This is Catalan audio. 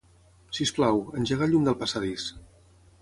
Sisplau, engega el llum del passadís.